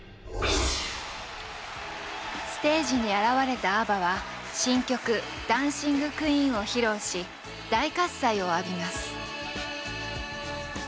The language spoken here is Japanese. ステージに現れたＡＢＢＡは新曲「ダンシング・クイーン」を披露し大喝采を浴びます。